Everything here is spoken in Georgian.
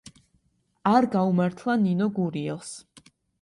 არ გაუმართლა ნინო გურიელს.